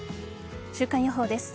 週間予報です。